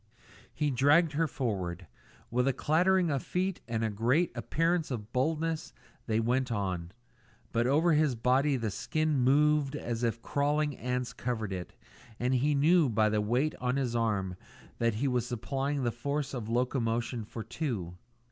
He dragged her forward. With a clattering of feet and a great appearance of boldness they went on, but over his body the skin moved as if crawling ants covered it, and he knew by the weight on his arm that he was supplying the force of locomotion for two.